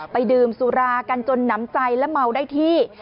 ดื่มสุรากันจนหนำใจและเมาได้ที่